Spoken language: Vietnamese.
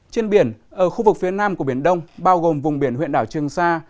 trên biển ở khu vực phía nam của biển đông bao gồm vùng biển huyện đảo trường sa